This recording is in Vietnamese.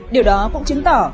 điều đó cũng chứng tỏ